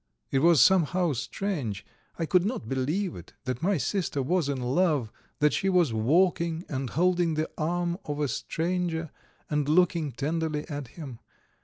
It was somehow strange, I could not believe it, that my sister was in love, that she was walking and holding the arm of a stranger and looking tenderly at him.